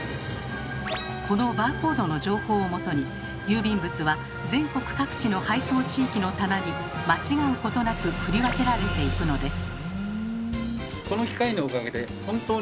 このバーコードの情報をもとに郵便物は全国各地の配送地域の棚に間違うことなく振り分けられていくのです。